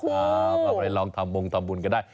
มาไปลองทำวงตำบุญก็ได้